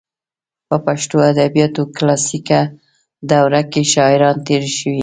په پښتو ادبیاتو کلاسیکه دوره کې شاعران تېر شوي.